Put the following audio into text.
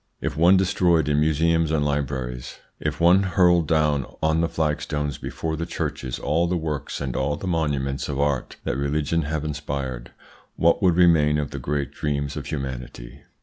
"If one destroyed in museums and libraries, if one hurled down on the flagstones before the churches all the works and all the monuments of art that religions have inspired, what would remain of the great dreams of humanity?